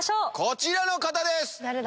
こちらの方です！